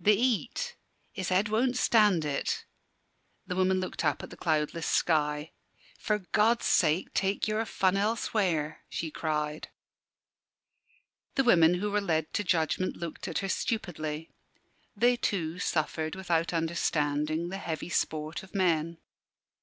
"The heat his head won't stand it." The woman looked up at the cloudless sky. "For God's sake take your fun elsewhere!" she cried. The women who were led to judgment looked at her stupidly. They too suffered, without understanding, the heavy sport of men.